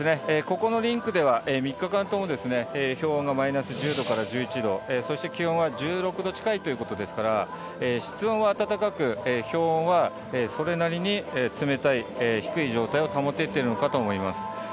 ここのリンクでは３日間とも氷温がマイナス１０度から１１度、気温は１６度近いということですから、室温は暖かく氷温はそれなりに冷たい、低い状態を保てているのかと思います。